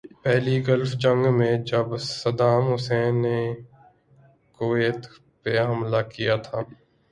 پہلی گلف جنگ میں جب صدام حسین نے کویت پہ حملہ کیا تھا۔